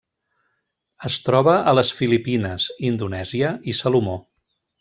Es troba a les Filipines, Indonèsia i Salomó.